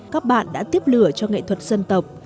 các bạn đã tiếp lửa cho nghệ thuật dân tộc